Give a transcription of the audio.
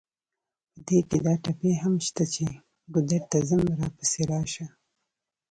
په دې کې دا ټپې هم شته چې: ګودر ته ځم راپسې راشه.